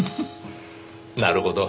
なるほど。